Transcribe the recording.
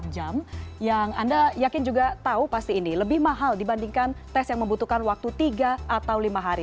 empat jam yang anda yakin juga tahu pasti ini lebih mahal dibandingkan tes yang membutuhkan waktu tiga atau lima hari